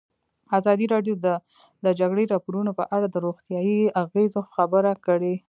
ازادي راډیو د د جګړې راپورونه په اړه د روغتیایي اغېزو خبره کړې.